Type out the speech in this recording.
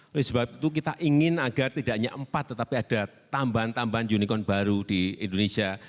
oleh sebab itu kita ingin agar tidak hanya empat tetapi ada tambahan tambahan unicorn baru di indonesia